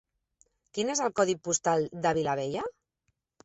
Quin és el codi postal de la Vilavella?